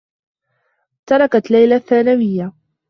تركت ليلى الثّانويّة.